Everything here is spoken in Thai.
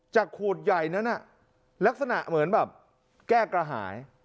ขูดใหญ่นั้นลักษณะเหมือนแบบแก้กระหาย